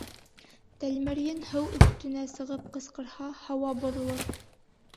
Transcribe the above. Тәлмәрйен һыу өҫтөнә сығып ҡысҡырһа, һауа боҙолор.